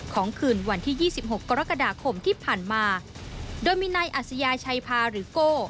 คืนวันที่ยี่สิบหกกรกฎาคมที่ผ่านมาโดยมีนายอัศยาชัยพาหรือโก้